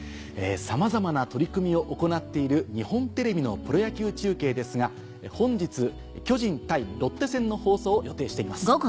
さまざまな取り組みを行っている日本テレビのプロ野球中継ですが本日巨人対ロッテ戦の放送を予定しています。